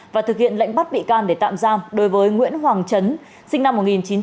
và thực hiện lệnh bắt bị can để tạm giam đối với nguyễn hoàng trấn sinh năm một nghìn chín trăm chín mươi hai